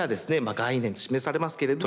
概念で示されますけれども。